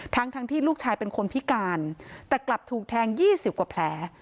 ทั้งทั้งที่ลูกชายเป็นคนพิการแต่กลับถูกแทง๒๐กว่าแผล